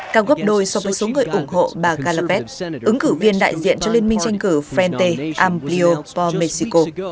ca gấp đôi so với số người ủng hộ bà galvez ứng cử viên đại diện cho liên minh tranh cử frente amplio por mexico